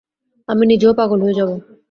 আমি নিজেও পাগল হয়ে যাব।